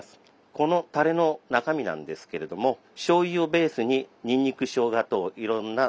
このたれの中身なんですけれどもしょうゆをベースににんにくしょうがといろんなスパイス等も入ってます。